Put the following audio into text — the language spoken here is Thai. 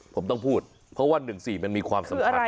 ผมต้องพูดเพราะว่า๑๔มันมีความสำคัญ